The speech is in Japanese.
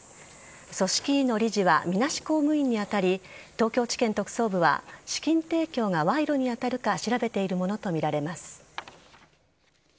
組織委の理事はみなし公務員に当たり東京地検特捜部は資金提供が賄賂に当たるか調べているものとみられます。